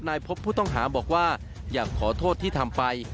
พบผู้ต้องหาบอกว่าอยากขอโทษที่ทำไป